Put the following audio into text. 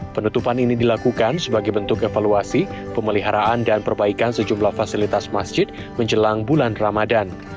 penutupan ini dilakukan sebagai bentuk evaluasi pemeliharaan dan perbaikan sejumlah fasilitas masjid menjelang bulan ramadan